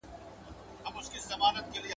• يوه ويل څه وخورم ، بل ويل په چا ئې وخورم.